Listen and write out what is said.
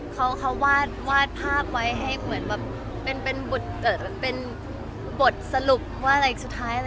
เขาวาดภาพไว้ให้เหมือนแบบเป็นบทสรุปว่าอะไรสุดท้าย